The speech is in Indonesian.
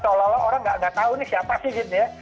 seolah olah orang nggak tahu nih siapa sih gitu ya